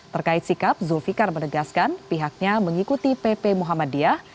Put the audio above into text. terkait sikap zulfikar menegaskan pihaknya mengikuti pp muhammadiyah